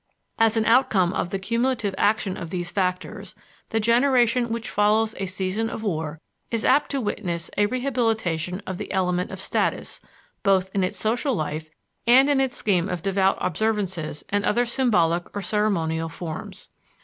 As an outcome of the cumulative action of these factors, the generation which follows a season of war is apt to witness a rehabilitation of the element of status, both in its social life and in its scheme of devout observances and other symbolic or ceremonial forms.